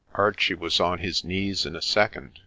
Archie was on his knees in a second.